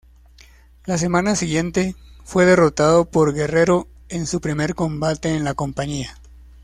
La semana siguiente, fue derrotado por Guerrero en su primer combate en la compañía.